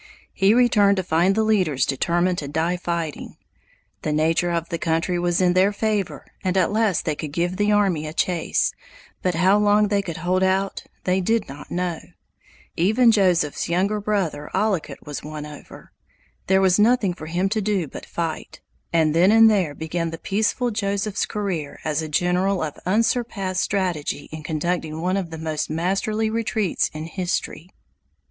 He returned to find the leaders determined to die fighting. The nature of the country was in their favor and at least they could give the army a chase, but how long they could hold out they did not know. Even Joseph's younger brother Ollicut was won over. There was nothing for him to do but fight; and then and there began the peaceful Joseph's career as a general of unsurpassed strategy in conducting one of the most masterly retreats in history.